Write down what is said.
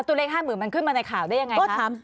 ตัวเลข๕๐๐๐มันขึ้นมาในข่าวได้ยังไง